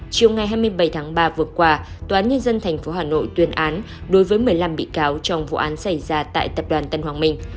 chiều ngày hai mươi bảy tháng ba vừa qua tòa án nhân dân tp hà nội tuyên án đối với một mươi năm bị cáo trong vụ án xảy ra tại tập đoàn tân hoàng minh